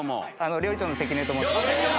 料理長の関根と申します。